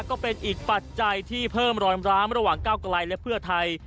ก็เป็นอีกปัจจัยที่เพิ่มรอยม้ามระหว่างก้าวไกลและเพื่อไทย